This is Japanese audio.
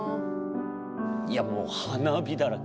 いやもう花火だらけ。